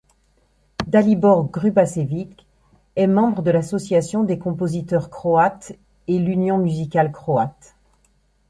Dalibor Grubačević est membre de l’Association des compositeurs croates et l’Union musicale croate.